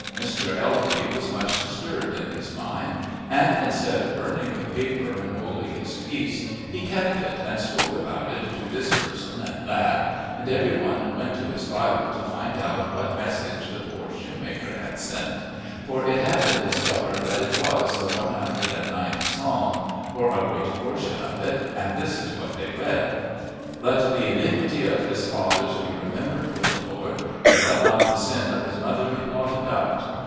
Mr. Ellerby was much disturbed in his mind, and instead of burning the paper and holding his peace, he kept it and spoke about it to this person and that, and every one went to his Bible to find out what message the poor shoemaker had sent, for it had been discovered that it was the one hundred and ninth Psalm, or a great portion of it, and this is what they read: "Let the iniquity of his fathers be remembered with the Lord; and let not the sin of his mother be blotted out.